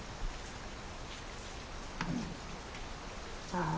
ああ。